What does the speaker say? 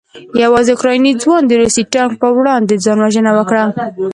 یو اوکراني ځوان د روسي ټانک په وړاندې ځان وژنه وکړه.